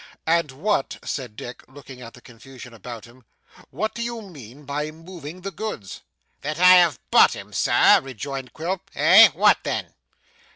'And what,' said Dick, looking at the confusion about him, 'what do you mean by moving the goods?' 'That I have bought 'em, Sir,' rejoined Quilp. 'Eh? What then?